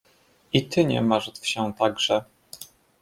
I ty nie martw się także!